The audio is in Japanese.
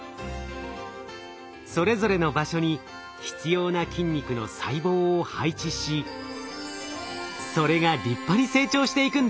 それぞれの場所に必要な筋肉の細胞を配置しそれが立派に成長していくんです。